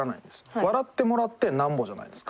笑ってもらってなんぼじゃないですか。